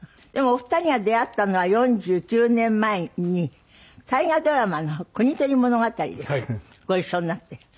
でもお二人が出会ったのは４９年前に大河ドラマの『国盗り物語』でご一緒になって。